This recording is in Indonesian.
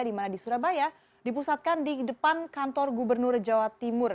di mana di surabaya dipusatkan di depan kantor gubernur jawa timur